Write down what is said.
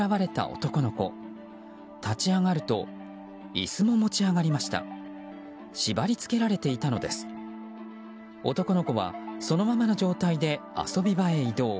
男の子はそのままの状態で遊び場へ移動。